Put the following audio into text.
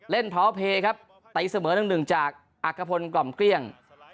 เล่นท้อเพครับไต้เสมอหนึ่งจากอักภพลกล่อมเกลี้ยง